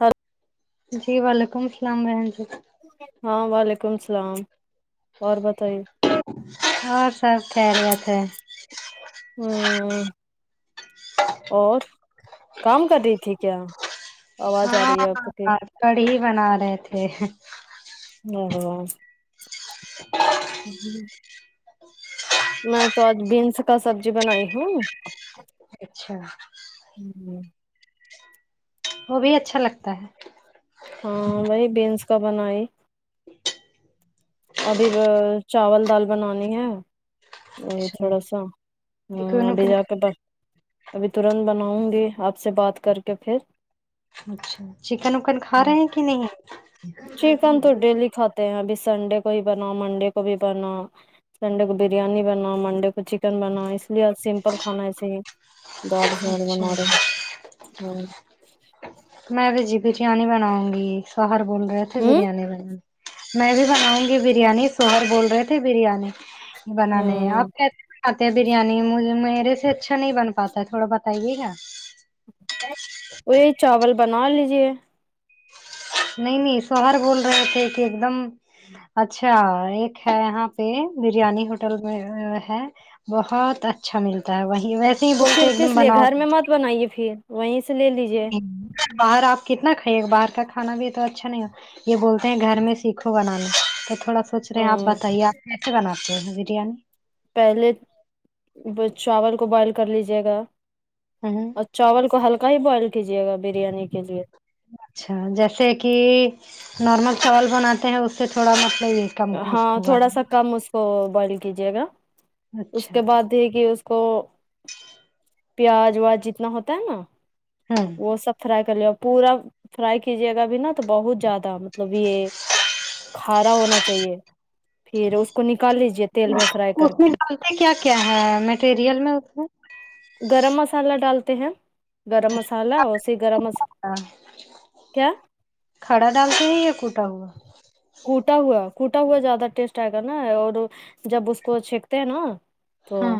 hello جی وعلیکم السلام بہن جی ہاں وعلیکم السلام اور بتائیے ہاں سب خیریت ہے ہمم اور کام کر رہی تھی کیا آواز آ رہی ہے ہاں آپ کی کڑھی بنا رہے تھے [unintelligible] [unintelligible] [unintelligible] میں تو آج بینس کا سبزی بنائی ہوں اچھا ھمم وہ بھی اچھا لگتا ہے ہاں وہی بینس کا بنئ ابھی چاول دال بنانی ہے وہی اچھا تھوڑا سا ہ چکن ابھی وکن جا کے بس ابھی ترنت بناؤں گی آپ سے بات کر کے پھر اچھا چکن وکن کھا رہے ہیں کہ نہیں چکن تو ڈیلی کھاتے ہیں ابھی سنڈے کو ہی بنا منڈے کو بھی بنا سنڈے کو بریانی بنا منڈے کو چکن بنا اس یا سمپل کھانا ایسے ہی دال چاول بنا رہے اچھا ہ میں بھی جی بریانی بناؤں گی شوہر بول رہے تھے ہوں بریانی بن میں بھی بناؤں گی بریانی سوہر بول رہے تھے بریانی بنانے ہوں آپ کیسے کھاتے ہیں بریانی مجھے میرے سے اچھا نہیں بن پاتا تھوڑا بتائیے گا وہ یہی چاول بنا لیجیے نہیں نہیں شوہر بول رہے تھے کہ ایک دم اچھا ایک ہے یہاں پہ بریانی ہوٹل میں ہے بہت اچھا ملتا ہے وہی ویسے ہی تو بولتے پھر ایک دم کس لیے بناؤ گھر میں مت بنائیے پھر وہیں سے لے لی باہر آپ کتنا کھائیے گا باہر کا کھانا بھی تو اچھا نہیں ہو یہ بولتے ہیں گھر میں سیکھو بنانا تو تھوڑا سا سوچ رہے ہیں آپ ہوں بتائیے آپ کیسے بناتے ہیں بریانی پہلے چاول کو بوائل کر لیجیے گا ہ اور چاول کو ہلکا ہی بوائل کیجیے گا بریانی کے لیے اچھا جیسے کہ نارمل چاول بناتے ہیں اس سے تھوڑا مطلب یہ کم اس ہاں کو تھوڑا سا کم اس کو بوائل کیجیے گا اس اچھا کے بعد دیک کے اس کو پیاز واج جتنا ہوتا ہے نا ہوں وہ سب فرائی کر لیے پورا فرائی کیجیے گا اب نا تو بہت زیادہ مطلب یہ کھارا ہونا چاہیے پھر اس کو نکال لیجے تیل میں فرائی کر کے اس ڈالتے میں کیا کیا ہے مٹیریل میں اس میں گرم مسالہ ڈالتے ہیں گرم مسالحہ اسی گرم مسا کیا کھڑا ڈال تے ہیں یہ کٹا ہوا کوٹا ہوا کوٹا ہوا زیادہ ٹیسٹ آئے گا نا اور جب اس کو چھینکتے ہیں نا تو ہاں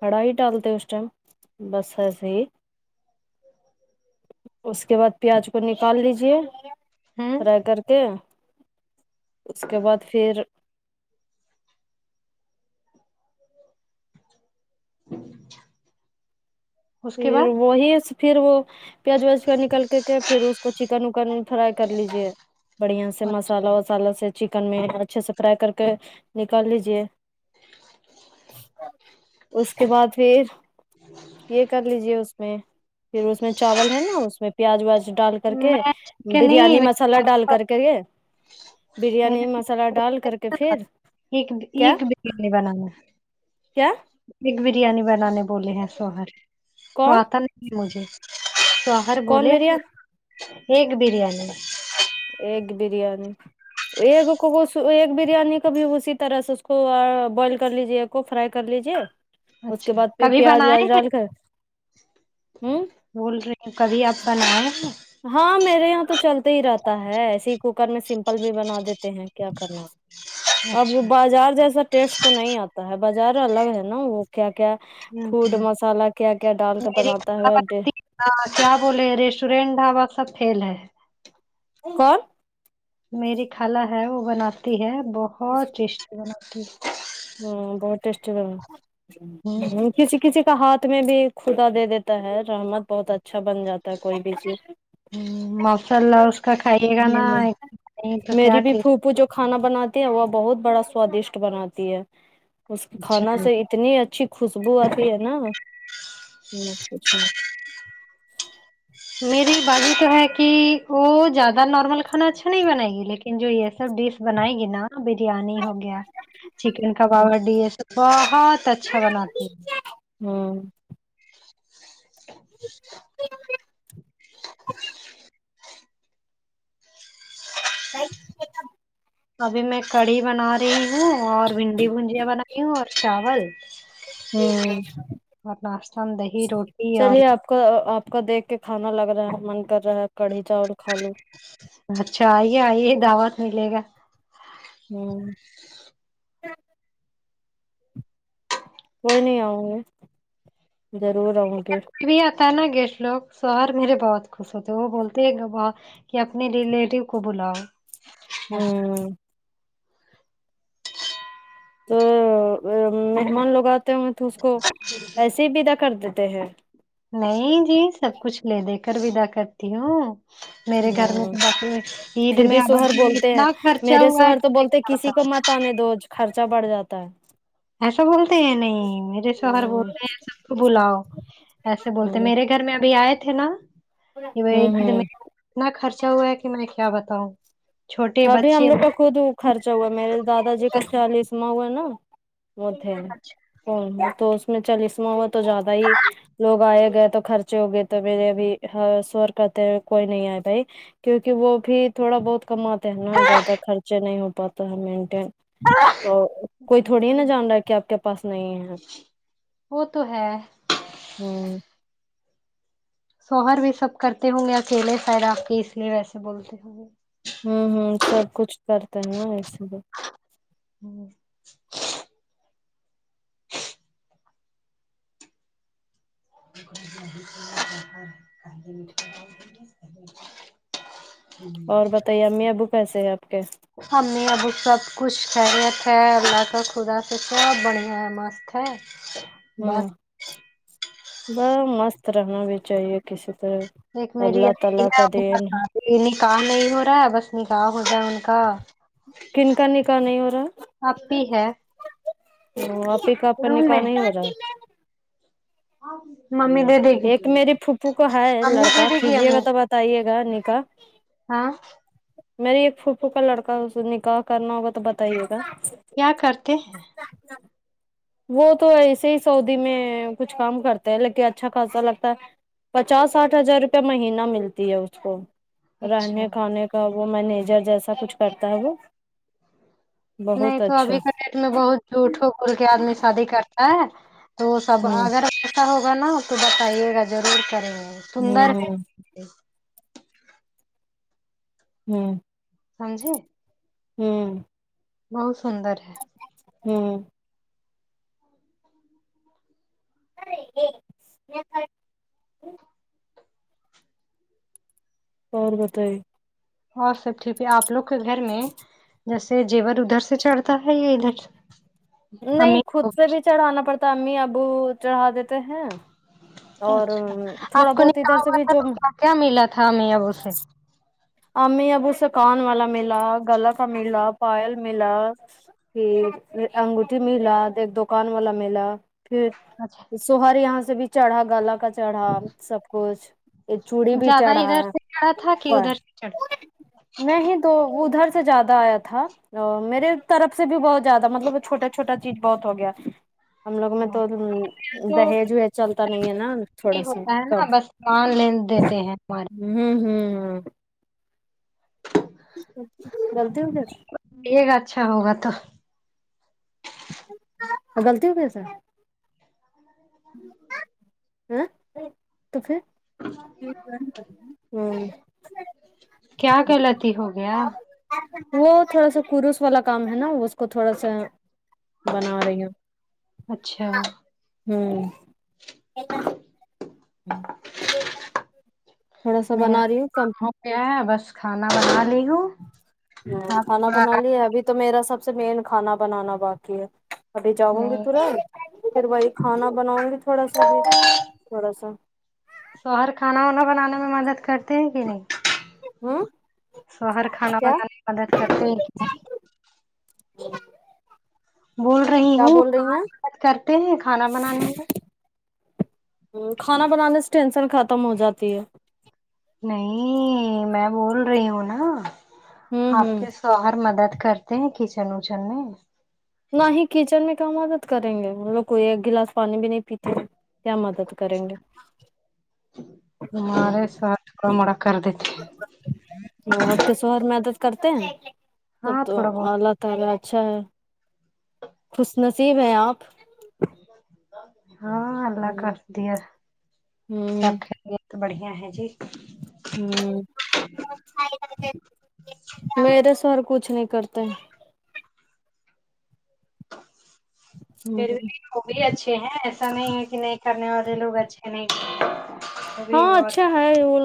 کھڑا ہی ڈالتے اس ٹائم بس ایسے ہی اس کے بعد پیاز کو نکال لیجے ہوں فرائی کر کے اس کے بعد پھر [inaudible] اس کے پھر بعد وہی اس پھر وہ پیاز ویاز کا نکل کر کے پھر اس کو چکن وکن فرائی کر لیجے بڑھیا سے مسالہ وسالا سے چکن میں اچھے سے فرائی کر کے نکال لیجے اس کے بعد پھر یہ کر لیجے اس میں پھر اس میں چاول ہے نا اس میں پیاز ویاز ڈال کر کے میں کہ بریانی نہیں مسالہ ڈال کر کے کے بریانی مسالہ ڈال کر کے پھر ایک کیا ایک بریانی بنانا کیا بگ بریانی بنانے بولے ہیں سوہرے تو کون آتا نہیں مجھے سوہرے کون بولے بریا ہیں ایکگ بریانی ایگ بریانی ایک کو ایک بریانی کا بھی اسی طرح سے اس کو بوائل کر لیجے کو فرائی کر لیجے اس کے اچھا بعد پھر کبھی پیاز بنائے ویاز ہیں ڈال کر ہ بول رہی ہ کبھی آپ کا نام ہے ہاں میرے یہاں تو چلتے ہی رہتا ہے ایسے ہی کوکر میں سمپل بھی بنا دیتے ہیں کیا کرنا اب اچھا بازار جیسا ٹیسٹ تو نہیں آتا ہے بازار الگ ہے نا وہ کیا کیا ہوں پوڈ ہوں مسالہ کیا کیا ڈال کر بناتا ہے ہاں کیا بولے ریسٹورینٹ ڈھابا سب فیل ہے کو کون میری خکھلا ہے وہ بناتی ہے بہت ٹیسٹی بناتی ہے ہ بہت ٹیسٹی لگا کسی کسی کا ہاتھ میں بھی کدا دے دیتا ہے رحمت بہت اچھا بن جاتا ہے کوئی بھی چیز ہ ماشاء اللہ اس کا کھائیے گا نا ہ تو کیا میری بھی ٹسٹ پھوپھو جو کھانا بناتی ہے وہ بہت بڑا سوادشٹ بناتی ہے اس کے اچھا کھانا سے اتنی اچھی خوشبو آتی ہے نا مت پوچھئے میری بازی تو ہے کہ وہ زیادہ نارمل کھانا اچھا نہیں بنائے گی لیکن جو یہ سب ڈش بنائے گی نا بریانی ہوگی گیا چکن کباب ہڈی یہ سب بہت اچھا بناتی ہے ہاں نہیں ابھی میں کڑھی بنا رہی ہوں اور بھنڈی بھجیاں بنا رہی ہوں اور چاول ہمم اور ناشتہ دہی روٹی اور آپ کا آپ کا دیکھ کے کھانا لگ رہا ہے من کر رہا ہے کڑھی چاول کھالوں اچھا آئیے آئیے دعوت ملے گا ہمم کوئی نہیں آؤں گے ضرور آؤں گے کبھی آتا نا گیسٹ لوگ شوہر میرے بہت خوش ہوتے ہیں وہ بولتے ہیں کہ اپنی ریلیٹیو کو بولاؤ ہوں تو مہمان لوگ آتے ہو تو اس کو ایسے ہی ودا کر دیتے ہیں نہیں جی سب کچھ لے دے کر ودا کرتی ہوں میرے گھر میں ہ تو بس عید پھر میں بھی اب شوہر بولتے ہیں اتنا خرچہ ہوا ہے کہ پتا نہیں روز خرچہ بڑھ جاتا ہے ایسا بولتے ہیں نہیں میرے سےہر بول ہ رہے ہیں ایسا بلاؤ ایسے بولتے ہ میرے گھر میں ابھی آئے تھے نا ہ ہ اتنا خرچا ہوا ہے کہ میں کیا بتاؤں چھوٹے ابھی ہم بچے لوگ کا خود خرچہ ہوا ہے میرے دادا جی کا چیالیسواں ہوا نا وہ تھے تو اس میں چالیسواں ہوا تو زیادہ ہی لوگ آئے گئے تو خرچے ہو گئے تو میرے ابھی شوہر کہتے ہیں کوئی نہیں آئے بھائی کیونکہ وہ بھی تھوڑا بہت کماتے ہیں نا زیادہ خرچے نہیں ہو پاتا ہے مینٹین تو کوئی تھوڑی نا جان رہا کہ آپ کے پاس نہیں ہے وہ تو ہے ہمم شوہر بھی سب کرتے ہوں گے اکیلے سائڈ آ کے اس لیے ویسے بولتے ہوں گے ھمم ھمم سب کچھ کرتے ہیں نا ایسے لئے ہم [unintelligible] اور بتائیے امی ابو کیسے ہے آپ کے امی ابو سب کچھ خیریت ہے اللہ کا خدا سے سب بڑھیا ہے مست ہے بس ھمم مست رہنا بھی چاہیے کسی طرح اللہ تعالی کا دین یہ نکاح نہیں ہو رہا ہے بس نکاح ہو جائے ان کا کن کا نکاح نہیں ہو رہا اپی ہے ھمم [unintelligible] کا روم نکاح میں نہیں ہو رہا ہے ممی دیدے گی ایک میری پھوپھو کا ہے امی دے لڑکا دے گی کیجیے امی گا تو بتائیے گا نکاح ہاں میری ایک پھوفو کا لڑکا ہے اسے نکاح کرنا ہوگا تو بتائیے گا کیا کرتے ہیں وہ تو ایسے ہی سعودی میں کچھ کام کرتے ہیں لیکن اچھا خاصا لگتا ہے پچاس ساٹھ ہزار روپے مہینہ ملتی ہے اس کو رہنے اچھا کھانے کا وہ مینیجر جیسا کچھ کرتا ہے وہ نہیں بہت تو اچھا ابھی کا ٹائم میں بہت جھوٹوں بول کے آدمی شادی کرتا ہے تو سب ہوں اگر ایسا ہوگا نا تو بتائیے گا ضرور کریں گے سندر ہوں ہے ھمم ہاں جی ھمم بہت سندر ہے ھمم ارے یہ میں اور بتائے اور سب ٹھیک ہے آپ لوگ کے گھر میں جیسے جیور ادھر سے چڑھتا ہے یا ادھر سے نہیں امی خود کو سے بھی چڑھانا پڑتا امی ابو چڑھا دیتے ہیں اور اچھا آپ تھوڑا کا بہت نکاح ادھر سے ہوا بھی تھا جو تو کیا کیا ملا تھا امی ابو سے امی ابو سے کان والا ملا گلا کا ملا پائل ملا پھر انگوٹھی ملا ایک دو کان والا میلا پھر اچھا شوہر یہاں سے بھی چڑھا گالا کا چڑھا سب کچھ ایک چوڑی بھی زیادہ چڑھا ادھر سے چڑھا تھا کہ پر ادھر سے نہیں تو ادھر سے زیادہ آیا تھا میرے طرف سے بھی بہت زیاد مطلب وہ چھوٹا چوٹا چیز بہت ہو گیا ہم لوگ میں چڑھا تو تو دہیج ویج چلتا نہیں ہے نا تھوڑا نہیں سا ہوتا ہے کم نا بس لین دیتے ہیں ہمارے ہوں ہوں غلطی ہوگیا پیگا اچھا ہوگا تو غلطی ہو گئی سر تو پھر ہوں کیا غلطی ہو گیا وہ تھوڑا سا کرروس والا کام ہے نا اس کو تھوڑا سا بنا رہی ہیں اچھا ہوں ہوں تھوڑا سا بنا رہی ہوں کم میں بس کھانا بنا لی ہوں کھانا آپ بنالیا ابھی تو میرا سب سے مین کھانا بنانا باقی ہے ابھی جاؤں گی نہیں ترنت پھر وہی کھانا بناؤں گی تھوڑا سا بھی تھوڑا سا سو ہر کھانا وانا بنانے میں مدد کرتے کرتے ہے کی نی ہوں سوہر کھانا کیا بنانے میں مدد کرتے ہیں کہ نہیں بول رہی کیا ہوں بول رہی ہاں مدت کرتے ہیں کھانا بنانے میں کھانا بنانے سے ٹینشن ختم ہو جاتی ہے نہیں میں بول رہی ہوں نا ہوں آپ ہوں کے شوہر مدد کرتے ہیں کچن وچن میں نہ ہی کچن میں کیا مدد کریں گے مطلب کوئی ایک گلاس پانی بھی نہیں پیتے ہے کیا مدد کریں گے [unintelligible] کردتی وہ آپ کے شہر میں مدد کرتے ہیں سب ہاں تو تھوڑا بہت اچھا ہے خوش نصیب ہے آپ ہاں اللہ ہوں کا دیا سب ہوں خیریت بڑھیا ہے جی ہو میرے سر کچھ نہیں کرتے پھر بھی وہ بھی اچھے ہیں ایسا نہیں ہے کہ نہیں کرنے والے لوگ اچھے نہیں وہ بھی ہاں بہت اچھا ہے وہ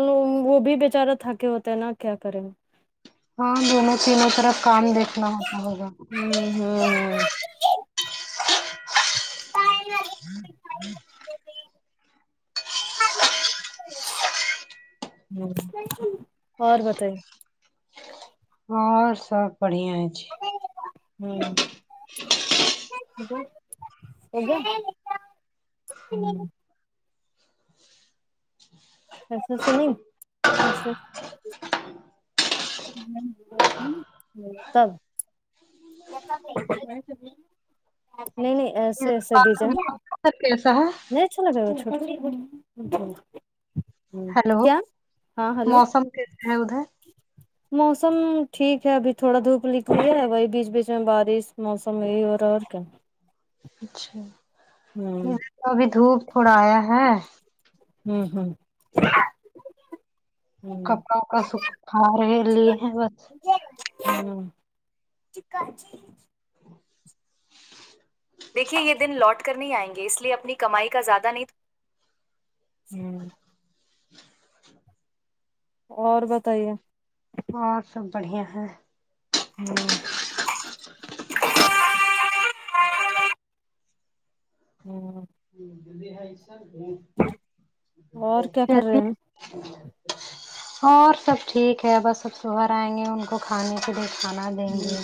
وہ بھی بےچارہ تھکے ہوتے ہے نا کیا کریں ہاں دونوں تینوں طرف کام دیکھنا ہوتا ہوگا ہوں ہوں اور بتائیے اور سب بڑھیا ہے جی ہوں ہو گیا ایسے سنے ایسے ج تب نہیں نہیں کیسا ڈیزائن موسم کیسا ہے نہیں یہ اچھا لگ رہا ہے ھمم ہیلو کیا ہاں ہیلو موسم کیسا ہے ادھر موسم ٹھیک ہے ابھی تھوڑا دھوپ نکلی اور ہے وہی بیچ بیچ میں بارش موسم یہی ہو رہا ہے اور کیا اچھا ہوں تو ابھی دھوپ تھوڑا آیا ہے ھمم ھمم کپڑا کو سکھ کھا رہے لیے ہیں بس ھمم دیکھیے یہ دن لوٹ کر نہیں آئیں گے اس لیے اپنی کمائی کا زیادہ نہیں تو ھمم اور بتائیے اور سب بڑھیا ہے ھمم ھمم [unintelligible] اور کیا کر رہے ہیں اور سب ٹھیک ہے بس اب شوہر آئیں گے ان کو کو کھانے کے لیے کھانا دیں ہوں گے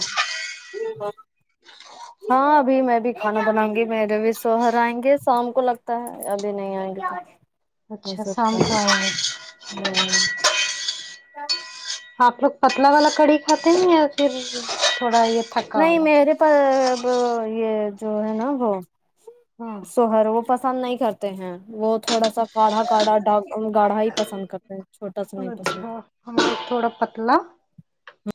ہاں ابھی میں بھی کھانا بناؤں گی میرے بھی شوہر آئیں گے شام کو لگتا ہے ابھی نہیں آئیں گے تو ہو اچھا شام سکتا کو آئیں گے ھمم آپ لوگ پتلا والا کڑی کھاتے ہیں یا پھر تھوڑا یہ تھکا نہیں والا میرے پا اب یہ جو ہے نا وہ ہاں سوہر وہ پسند نہیں کرتے ہیں وہ تھوڑا سا گاڑھا گاڑھا ڈاک گاڑھا ہی پسند کرتے ہیں چھوٹا سا نہیں پسند کرتے ہمیں تھوڑا پتلا